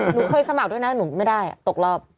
หนูเคยสมัครด้วยนะหนูไม่ได้ตกรอบ